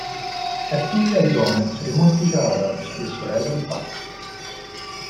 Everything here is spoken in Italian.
È figlia di Gomez e Morticia Addams e sorella di Pugsley.